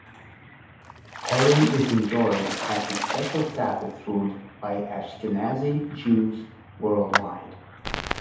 Herring is enjoyed as a special Sabbath food by Ashkenazi Jews worldwide.